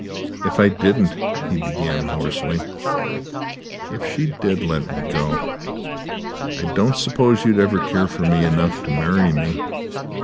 "If I didn't," he began hoarsely "if she did let me go, I don't suppose you'd ever care for me enough to marry me?